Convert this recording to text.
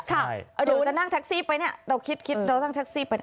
เราจะนั่งแท็กซี่ไปเราคิดเรานั่งแท็กซี่ไป